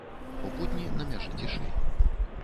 У будні на мяжы цішэй.